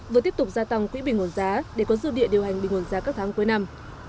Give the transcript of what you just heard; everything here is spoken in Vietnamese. vừa tiếp tục gia tăng quỹ bình nguồn giá để có dư địa điều hành bình nguồn giá các tháng cuối năm